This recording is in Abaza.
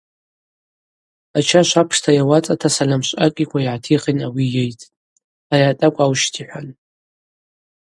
Ачашв апшта йауацӏата сальамшвъакӏ йыкӏва йгӏатихын ауи йыйттӏ: Ари атӏакӏв аущт, – йхӏван.